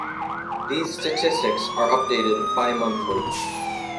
These statistics are updated bi-monthly.